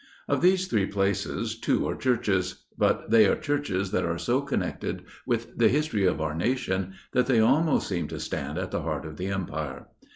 Of these three places, two are churches; but they are churches that are so connected with the history of our nation that they almost seem to stand at the heart of the Empire.